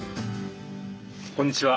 こんにちは。